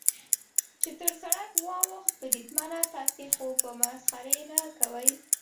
چې تر سړک واوښت، بریدمنه، تاسې خو به مسخرې نه کوئ.